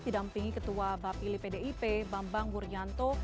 didampingi ketua bapili pdip bambang wuryanto